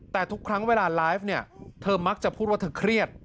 แต่ทุกครั้งเวลาไลฟ์เนี่ยเธอมักจะพูดว่าเธอเครียด